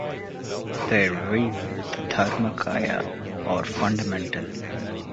They reveal the dharmakaya, or Fundamental.